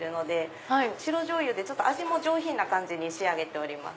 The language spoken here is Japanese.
白醤油で味も上品な感じに仕上げております。